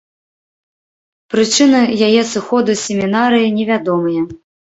Прычыны яе сыходу з семінарыі невядомыя.